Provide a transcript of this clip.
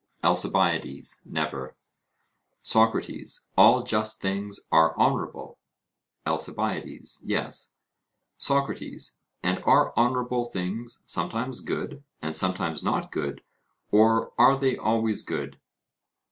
ALCIBIADES: Never. SOCRATES: All just things are honourable? ALCIBIADES: Yes. SOCRATES: And are honourable things sometimes good and sometimes not good, or are they always good?